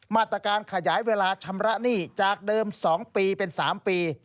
มาตรการขยายเวลาชำระหนี้จากเดิม๒ปีเป็น๓ปี